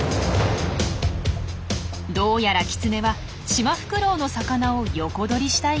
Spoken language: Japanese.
どうやらキツネはシマフクロウの魚を横取りしたいようです。